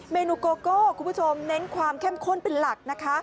เมนูโกโก้คุณผู้ชมเน้นความเข้มข้นเป็นหลักนะคะ